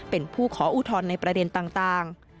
เป็นผู้ขออุทธรณ์ในประเด็นต่าง